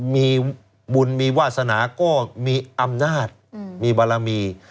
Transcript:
มีบุญมีวาสนาก็มีอำนาจมีบารมี